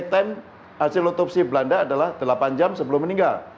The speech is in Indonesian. tim hasil otopsi belanda adalah delapan jam sebelum meninggal